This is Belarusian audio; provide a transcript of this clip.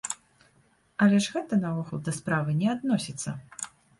Але ж гэта наогул да справы не адносіцца.